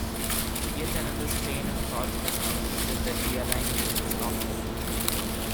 Yet another strain of thought has concluded that "realignment" is occurring.